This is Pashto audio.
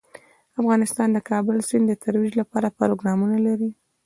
افغانستان د د کابل سیند د ترویج لپاره پروګرامونه لري.